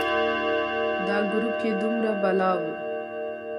دا ګروپ یې دومره بلا و.